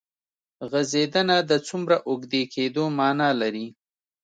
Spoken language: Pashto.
غځېدنه د څومره اوږدې کېدو معنی لري.